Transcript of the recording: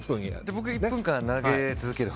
僕１分間投げ続ければ。